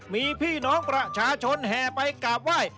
มีพี่น้องประชาชนแห่ไปกราบไหว้